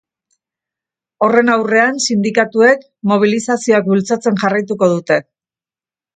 Horren aurrean, sindikatuek mobilizazioak bultzatzen jarraituko dute.